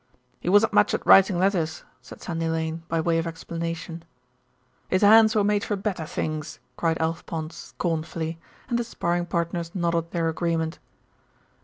"He wasn't much at writing letters," said Sandy Lane, by way of explanation. "His hands were made for better things," cried Alf Pond scornfully, and the sparring partners nodded their agreement.